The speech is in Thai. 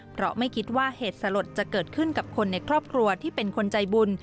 เพราะไม่คิดว่าเหตุสลดจะเกิดขึ้นกับคนในครอบครัวที่เป็นคนใจบุญ